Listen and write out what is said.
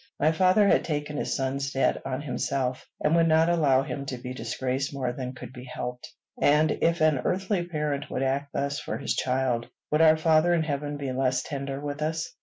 My father had taken his son's debts on himself, and would not allow him to be disgraced more than could be helped; and, if an earthly parent would act thus for his child, would our Father in heaven be less tender with us?